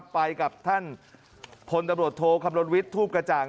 ไปกับท่านพลตำรวจโทคำนวณวิทย์ทูปกระจ่าง